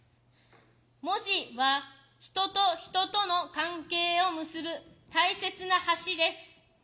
「文字」は「人と人との関係を結ぶ大切な橋」です。